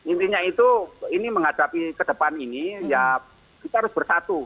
intinya itu ini menghadapi ke depan ini ya kita harus bersatu